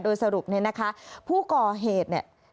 โดยสรุปเนี่ยนะคะผู้ก่อเหตุเนี่ย